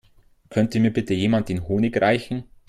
Könnte mir bitte jemand den Honig reichen?